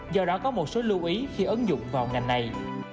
do đó có một số lưu ý khi ứng dụng vào ngành này